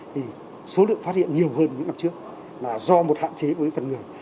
thì số lượng phát hiện nhiều hơn những năm trước là do một hạn chế với phần người